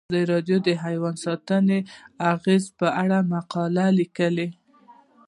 ازادي راډیو د حیوان ساتنه د اغیزو په اړه مقالو لیکلي.